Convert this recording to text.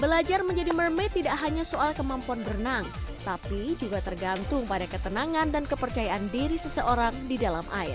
belajar menjadi mermaid tidak hanya soal kemampuan berenang tapi juga tergantung pada ketenangan dan kepercayaan diri seseorang di dalam air